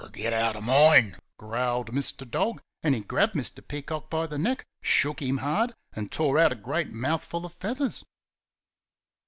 "Get out of mine!" growled Mr. Dog, and he grabbed Mr. Peacock by the neck, shook him hard and tore out a great mouthful of feathers.